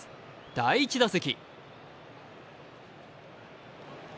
第１打席。